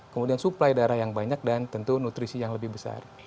kemudian suplai darah yang banyak dan tentu nutrisi yang lebih besar